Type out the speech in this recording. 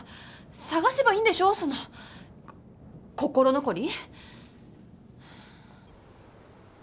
捜せばいいんでしょその心残り。